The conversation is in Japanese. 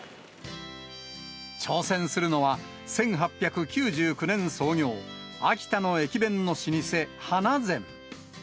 挑戦するのは、１８９９年創業、秋田の駅弁の老舗、花善。